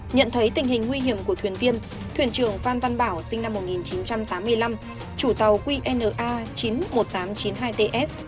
nhận thấy tình hình nguy hiểm của thuyền viên thuyền trưởng phan văn bảo sinh năm một nghìn chín trăm tám mươi năm chủ tàu qna chín mươi một nghìn tám trăm chín mươi hai ts